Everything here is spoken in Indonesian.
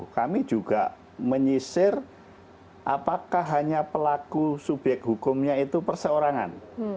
kami juga menyisir apakah hanya pelaku subyek hukumnya itu perseorangan